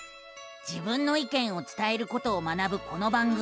自分の意見を伝えることを学ぶこの番組。